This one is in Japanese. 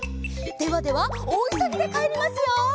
「ではではおおいそぎでかえりますよ」